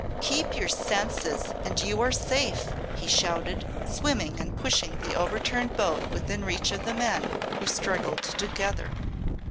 "Keep your senses and you are safe," he shouted, swimming and pushing the overturned boat within reach of the men, who struggled together.